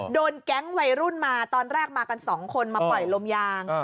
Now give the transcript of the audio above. โดนแก๊งวัยรุ่นมาตอนแรกมากันสองคนมาปล่อยลมยาง